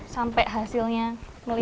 sampai hasilnya melinting gitu